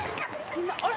あれ？